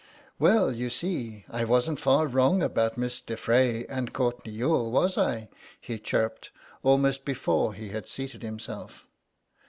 "Well, you see I wasn't far wrong about Miss de Frey and Courtenay Youghal, was I?" he chirruped, almost before he had seated himself.